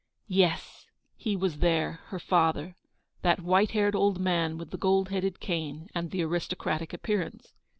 Yes, he was there — her father. That white haired old man, with the gold headed cane, and the aristocratic appearance.